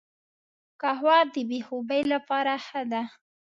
قهوه د بې خوبي لپاره ښه ده